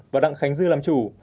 và đặng khánh dư làm chủ